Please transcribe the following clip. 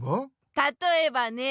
たとえばねえ。